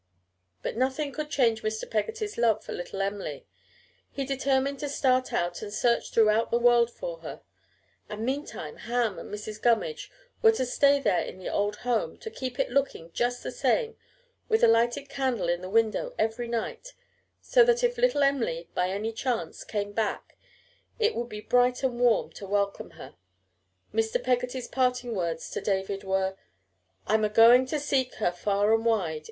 But nothing could change Mr. Peggotty's love for little Em'ly. He determined to start out and search throughout the world for her; and, meantime, Ham and Mrs. Gummidge were to stay there in the old home, to keep it looking just the same, with a lighted candle in the window every night, so that if little Em'ly by any chance came back it would be bright and warm to welcome her. Mr. Peggotty's parting words to David were: "I'm a going to seek her far and wide.